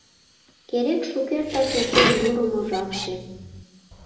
Керек шукертак эртен мурымо жапше.